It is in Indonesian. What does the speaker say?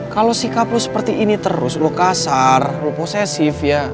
kalau sikap lo seperti ini terus lo kasar lo posesif ya